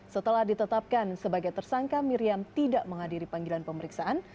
setelah ditetapkan sebagai tersangka miriam tidak menghadiri panggilan pemeriksaan